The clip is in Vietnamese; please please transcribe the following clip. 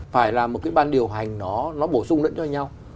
phải là một cái ban điều hành nó bổ sung lẫn cho nhau